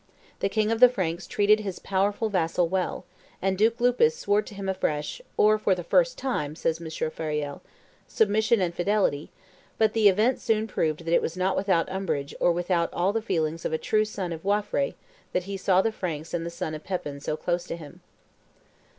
The king of the Franks treated his powerful vassal well; and Duke Lupus swore to him afresh, "or for the first time," says M. Fauriel, "submission and fidelity; but the event soon proved that it was not without umbrage or without all the feelings of a true son of Waifre that he saw the Franks and the son of Pepin so close to him."